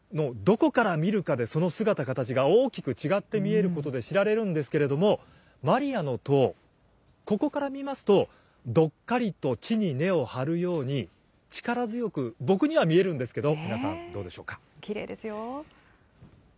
この教会のどこから見るかでその姿かたちが大きく違って見えることで知られるんですけれども、マリアの塔、ここから見ますと、どっかりと地に根を張るように、力強く僕には見えるんですけれども、きれいですよ。